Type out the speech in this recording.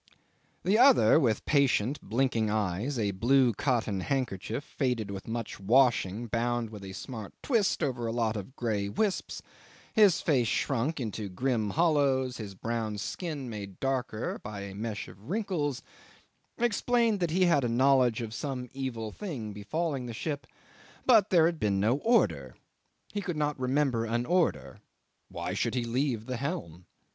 'The other, with patient blinking eyes, a blue cotton handkerchief, faded with much washing, bound with a smart twist over a lot of grey wisps, his face shrunk into grim hollows, his brown skin made darker by a mesh of wrinkles, explained that he had a knowledge of some evil thing befalling the ship, but there had been no order; he could not remember an order; why should he leave the helm?